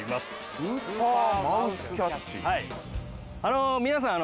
あの皆さん